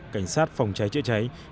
cảnh sát phòng cháy chữa cháy